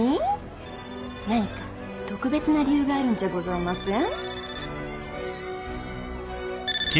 何か特別な理由があるんじゃございません？